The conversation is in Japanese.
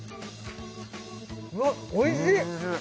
うわおいしい